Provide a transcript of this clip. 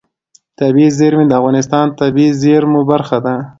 طبیعي زیرمې د افغانستان د طبیعي زیرمو برخه ده.